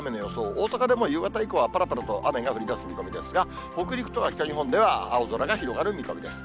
大阪でも夕方以降は、ぱらぱらと雨が降りだす見込みですが、北陸とか北日本では、青空が広がる見込みです。